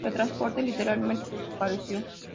El transporte, literalmente, desapareció.